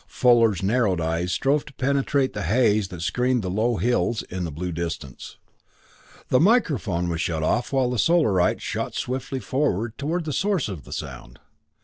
Fuller's narrowed eyes strove to penetrate the haze that screened the low hills in the blue distance. The microphone was shut off while the Solarite shot swiftly forward toward the source of the sound.